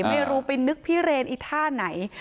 ไม่รู้ไปนึกพี่เลนอีกท่าไหน